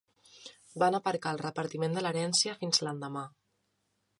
Van aparcar el repartiment de l'herència fins l'endemà.